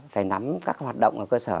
phải nắm các hoạt động ở cơ sở